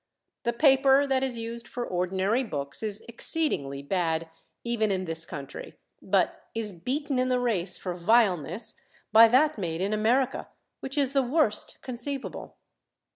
The paper that is used for ordinary books is exceedingly bad even in this country, but is beaten in the race for vileness by that made in America, which is the worst conceivable.